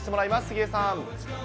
杉江さん。